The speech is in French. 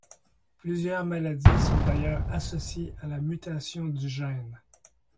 Plusieurs maladies sont d’ailleurs associées à la mutation du gène.